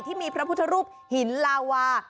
ที่มีพระพุทธรูปหินลาวา